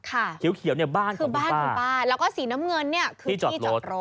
ค่ะคือบ้านคุณป้าแล้วก็สีน้ำเงินเนี่ยคือที่จอดรถ